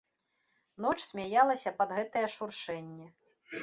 Ноч смяялася пад гэтае шуршэнне.